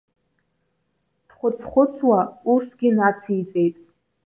Дхәыцхәыцуа усгьы нациҵеит.